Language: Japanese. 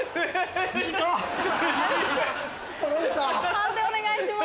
判定お願いします。